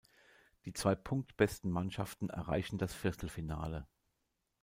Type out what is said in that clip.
Die zwei punktbesten Mannschaften erreichen das Viertelfinale.